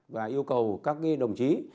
và yêu cầu các đồng chí